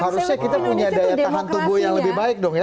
harusnya kita punya daya tahan tubuh yang lebih baik dong ya